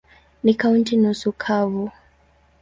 Ni kaunti nusu kavu.